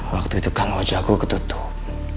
waktu itu kan wajahku ketutup